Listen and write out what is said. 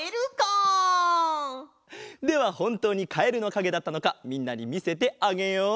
ではほんとうにカエルのかげだったのかみんなにみせてあげよう！